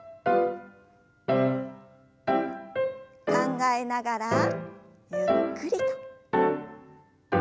考えながらゆっくりと。